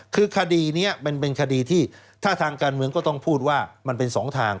คือคดีนี้มันเป็นคดีที่ถ้าทางการเมืองก็ต้องพูดว่ามันเป็นสองทาง